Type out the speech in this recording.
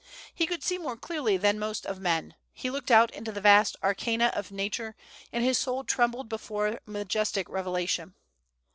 He could see more clearly than most of men. He looked out into the vast arcana of Nature, and his soul trembled before the majestic revelation.